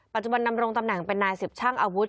ปัจจุบันดำรงตำแหน่งเป็นนายสิบช่างอาวุธ